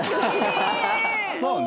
そうね。